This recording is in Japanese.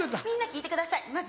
「みんな聞いてください